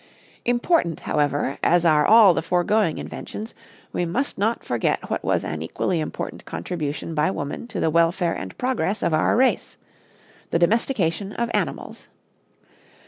Important, however, as are all the foregoing inventions, we must not forget what was an equally important contribution by woman to the welfare and progress of our race the domestication of animals.